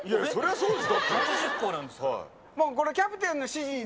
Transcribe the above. そうです。